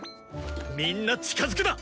みんな近づくな！